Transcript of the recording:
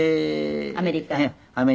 アメリカの。